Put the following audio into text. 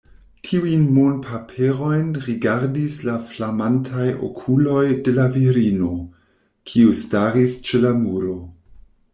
Tiujn monpaperojn rigardis la flamantaj okuloj de la virino, kiu staris ĉe la muro.